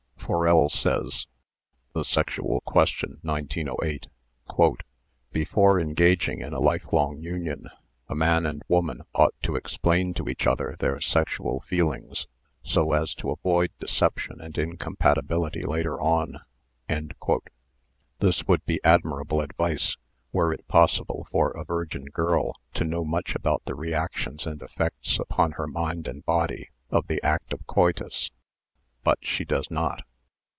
Forel says ('^' The Sexual Question," 1908): " Before engaging in a life long union, a man and woman ought to explain to each other their sexual feel ings so as to avoid deception and incompatibility later on." This would be admirable advice were it possible for a virgin girl to know much about the reactions and effects upon her mind and body of the act of coitus, but she does not.